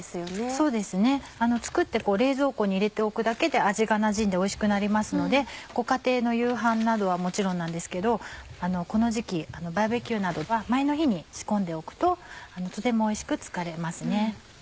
そうですね作って冷蔵庫に入れておくだけで味がなじんでおいしくなりますので家庭の夕飯などはもちろんなんですけどこの時期バーベキューなどは前の日に仕込んでおくととてもおいしく作れますね。